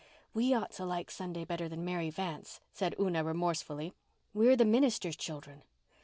"We ought to like Sunday better than Mary Vance," said Una remorsefully. "We're the minister's children."